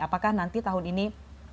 apakah nanti tahun ini akan diberikan